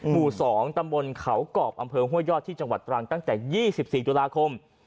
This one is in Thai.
หมู่๒ตำบลเขากรอบอำเภอห้วยยอดที่จังหวัดตรังตั้งแต่๒๔ตุลาคม